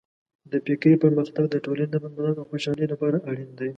د فکري پرمختګ د ټولنې د پرمختګ او خوشحالۍ لپاره اړین دی.